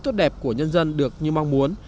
tốt đẹp của nhân dân được như mong muốn